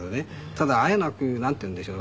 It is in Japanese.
ただあえなくなんていうんでしょう。